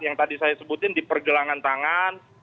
yang tadi saya sebutin di pergelangan tangan